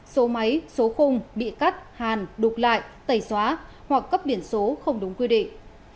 số máy số khung bị cắt hàn đục lại tẩy xóa hoặc cấp biển số không đúng quy định